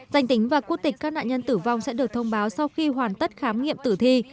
danh tính và quốc tịch các nạn nhân tử vong sẽ được thông báo sau khi hoàn tất khám nghiệm tử thi